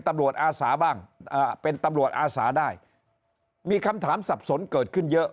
อาสาบ้างเป็นตำรวจอาสาได้มีคำถามสับสนเกิดขึ้นเยอะ